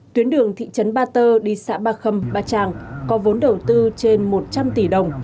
tuyến đường thị trấn ba tơ đi xã ba khâm ba trang có vốn đầu tư trên một trăm linh tỷ đồng